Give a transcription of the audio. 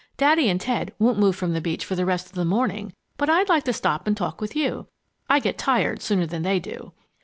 Daddy and Ted won't move from the beach for the rest of the morning, but I'd like to stop and talk with you. I get tired sooner than they do."